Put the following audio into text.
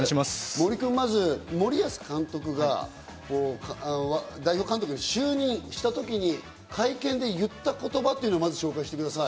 森君、まず森保監督が代表監督に就任した時に、会見で言った言葉っていうのをまず紹介してください。